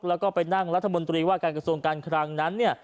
แล้วก็ไปนั่งรัฐมนตรีว่าการกระทรวงการคลังนั้น